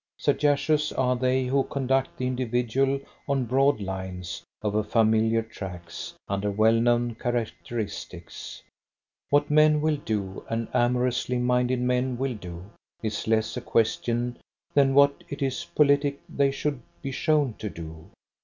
Sagacious are they who conduct the individual on broad lines, over familiar tracks, under well known characteristics. What men will do, and amorously minded men will do, is less the question than what it is politic they should be shown to do.